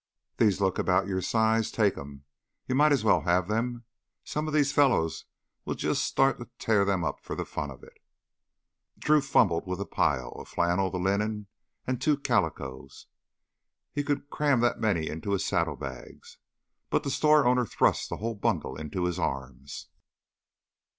"These look about your size. Take 'em! You might as well have them. Some of these fellows will just tear them up for the fun of it." Drew fumbled with the pile, a flannel, the linen, and two calico. He could cram that many into his saddlebags. But the store owner thrust the whole bundle into his arms.